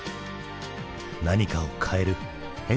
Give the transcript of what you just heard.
何かを変える変身する。